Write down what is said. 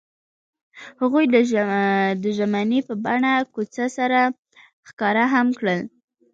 هغوی د ژمنې په بڼه کوڅه سره ښکاره هم کړه.